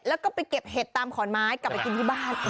แล้วก็ไปเก็บเห็ดตามขอนไม้กลับไปกินที่บ้าน